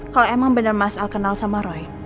kalau emang bener mas al kenal sama roy